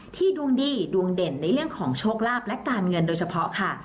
ดวงดีดวงเด่นในเรื่องของโชคลาภและการเงินโดยเฉพาะค่ะ